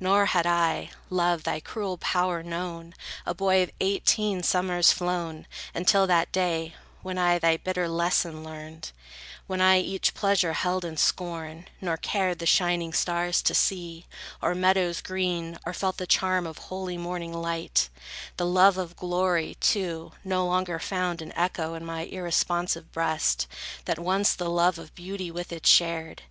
Nor had I, Love, thy cruel power known, A boy of eighteen summers flown, until That day, when I thy bitter lesson learned; When I each pleasure held in scorn, nor cared The shining stars to see, or meadows green, Or felt the charm of holy morning light; The love of glory, too, no longer found An echo in my irresponsive breast, That, once, the love of beauty with it shared.